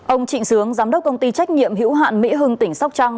ông trịnh sướng giám đốc công ty trách nhiệm hữu hạn mỹ hưng tỉnh sóc trăng